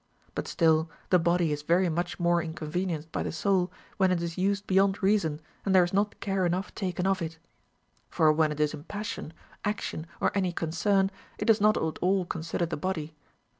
But still the body is very much more inconvenienced by the soul, when it is used beyond reason and there is not care enough taken of it. For when it is in passion, action, or any concern, it does not at all consider the body.